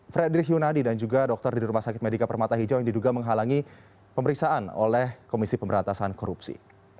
frederick yunadi dan juga dokter di rumah sakit medika permata hijau yang diduga menghalangi pemeriksaan oleh komisi pemberantasan korupsi